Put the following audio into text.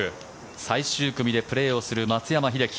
最終組でプレーをする松山英樹。